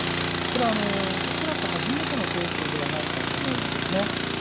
これ、恐らく初めてのケースではないかと思うんですね。